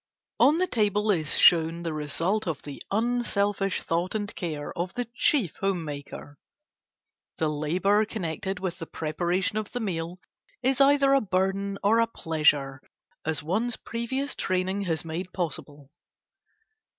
On the table is shown the result of the unselfish thought and care of the chief home maker. The labor connected with the preparation of the meal is either a burden or a pleasure as one's previous training has made possible.